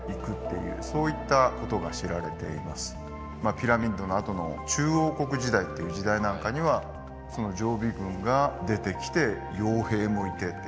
ピラミッドのあとの中王国時代っていう時代なんかにはその常備軍が出てきて傭兵もいてってそういう形になっていきます。